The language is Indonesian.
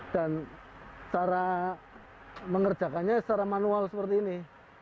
dan cara mengerjakannya secara manual seperti ini